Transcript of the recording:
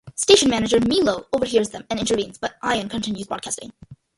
Station Manager Milo overhears them and intervenes but Ian continues broadcasting.